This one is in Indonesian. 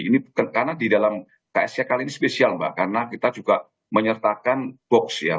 ini karena di dalam ksc kali ini spesial mbak karena kita juga menyertakan box ya